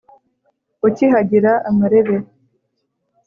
Ukihagira amarebe